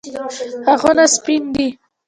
غاښونه سپین دي.